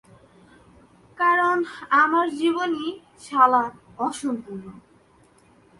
কারণ আমার জীবনই শালা অসম্পূর্ণ!